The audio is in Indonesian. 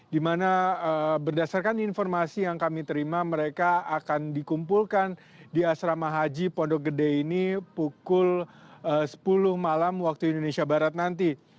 dimana berdasarkan informasi yang kami terima mereka akan dikumpulkan di asrama haji pondok gede ini pukul sepuluh malam waktu indonesia barat nanti